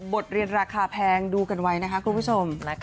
บทเรียนราคาแพงดูกันไว้นะคะคุณผู้ชม